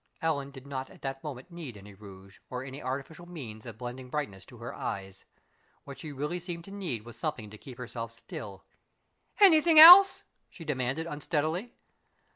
Ellen did not at that moment need any rouge, nor any artificial means of lending brightness to her eyes. What she really seemed to need was something to keep her still. "Anything else?" she demanded, unsteadily.